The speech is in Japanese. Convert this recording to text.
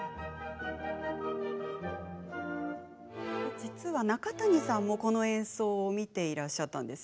実は中谷さんも、この演奏を見ていらっしゃるんです。